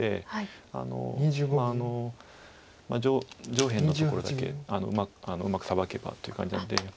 上辺のところだけうまくサバけばという感じなので。